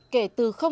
kể từ khó khăn